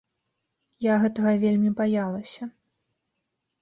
Я гэтага вельмі баялася.